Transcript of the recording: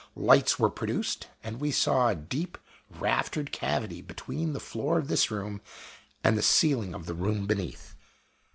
Lights were produced, and we saw a deep raftered cavity between the floor of this room and the ceiling of the room beneath.